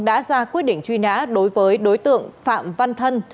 đã ra quyết định truy nã đối với đối tượng phạm văn thân